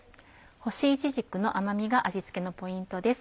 干しいちじくの甘味が味付けのポイントです。